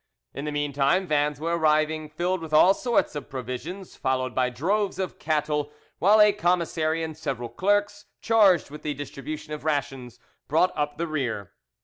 In the meantime, vans were arriving filled with all sorts of provisions, followed by droves of cattle, while a commissary and several clerks, charged with the distribution of rations, brought up the rear.